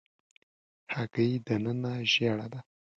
هګۍ دننه ژېړه ده.